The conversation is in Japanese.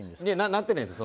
なってないです。